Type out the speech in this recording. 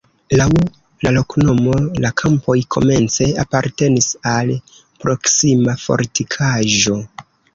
Laŭ la loknomo la kampoj komence apartenis al proksima fortikaĵo.